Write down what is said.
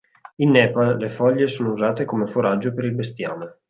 In Nepal le foglie sono usate come foraggio per il bestiame.